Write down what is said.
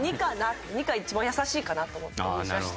２が一番易しいかなと思って２にしました。